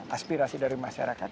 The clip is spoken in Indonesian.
aspirasi dari masyarakat